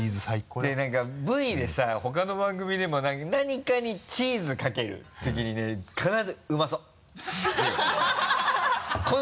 で何かＶでさ他の番組でも何かにチーズかけるときにね必ず「うまそっ」て言うの。